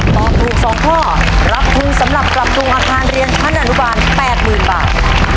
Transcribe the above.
ตอบถูก๒ข้อรับทุนสำหรับปรับปรุงอาคารเรียนชั้นอนุบาล๘๐๐๐บาท